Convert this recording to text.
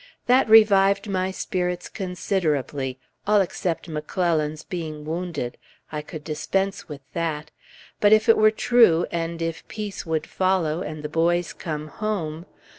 That revived my spirits considerably all except McClellan's being wounded; I could dispense with that. But if it were true, and if peace would follow, and the boys come home